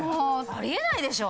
あり得ないでしょ。